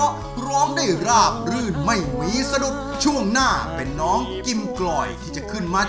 ก็ดูชิวเลยเนอะ